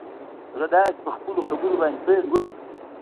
هغه داسې په خپلو خبرو باندې پيل وکړ.